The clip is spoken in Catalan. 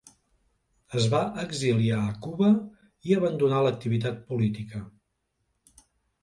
Es va exiliar a Cuba i abandonà l'activitat política.